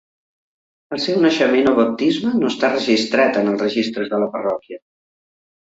El seu naixement o baptisme no està registrat en els registres de la parròquia.